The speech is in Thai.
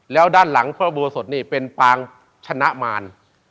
แล้วด้านหลังพระบูศสุทธิ์นี่เป็นพรางชนะมาร